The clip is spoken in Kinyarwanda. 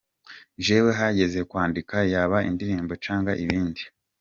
Jewe hageze kwandika yaba indirimbo canke ibindi.